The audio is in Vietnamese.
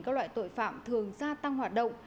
các loại tội phạm thường gia tăng hoạt động